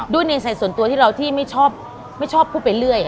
นิสัยส่วนตัวที่เราที่ไม่ชอบพูดไปเรื่อย